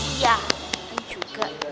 iya aku juga